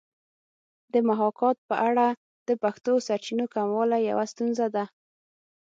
د محاکات په اړه د پښتو سرچینو کموالی یوه ستونزه ده